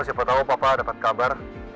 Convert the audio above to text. siapa tahu papa dapat kabar